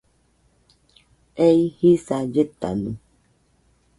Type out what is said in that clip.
Ei jisa lletade.